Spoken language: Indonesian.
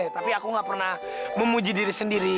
tapi aku gak pernah memuji diri sendiri